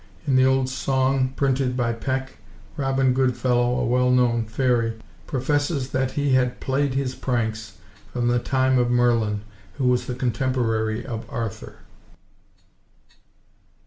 In the old song, printed by Peck, Robin Goodfellow, a well–known fairy, professes that he had played his pranks from the time of Merlin, who was the contemporary of Arthur.